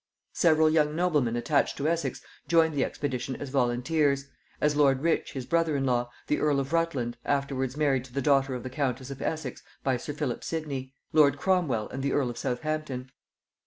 Several young noblemen attached to Essex joined the expedition as volunteers; as lord Rich his brother in law, the earl of Rutland, afterwards married to the daughter of the countess of Essex by sir Philip Sidney; lord Cromwel, and the earl of Southampton.